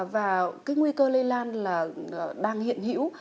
và cái nguy cơ lây lan là đang hiện hữu